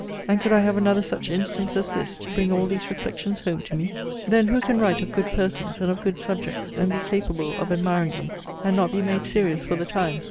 And could I have another such instance, as this, to bring all these reflections home to me? Then who can write of good persons, and of good subjects, and be capable of admiring them, and not be made serious for the time?